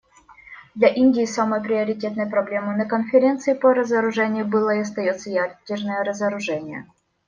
Для Индии самой приоритетной проблемой на Конференции по разоружению было и остается ядерное разоружение.